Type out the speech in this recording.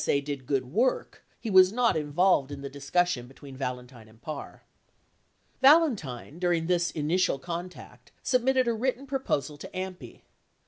873 phrcy remarked that VSA did good work, he was not involved in the discussion between Valentine and Parr. Valentine, during this initial contact, submitted a written proposal to AMPI.